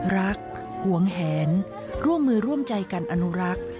หวงแหนร่วมมือร่วมใจกันอนุรักษ์